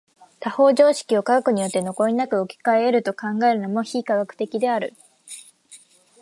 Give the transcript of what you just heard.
他方常識を科学によって残りなく置き換え得ると考えるのも非科学的である。